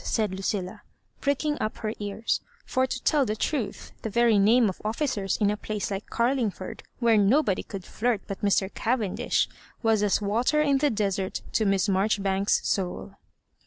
said Lucilla, pricking up her ear9 *for to tell the tmth, the very name of offi cers in a place like Garlingford, where nobody could flirt but Mr. Cavendish, was as wa^r in the desert to Miss Marjbribanks's soul.